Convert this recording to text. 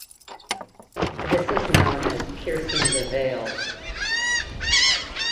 This is known as piercing the veil.